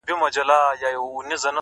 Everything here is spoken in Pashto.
لوړ هدفونه انسان لوړوي!